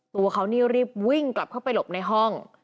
ตัวเขานี่รีบวิ่งกลับเข้าไปหลบในห้อง